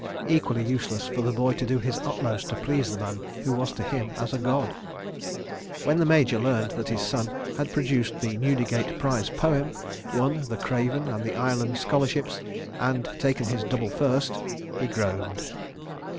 Equally useless for the boy to do his utmost to please the man who was to him as a god. ... When the Major learned that his son had produced the Newdigate Prize Poem, won the Craven and the Ireland Scholarships, and taken his Double First—he groaned.